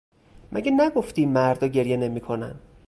مگه نگفتی مردا گریه نمیکنن؟